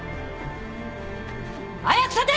早く立て！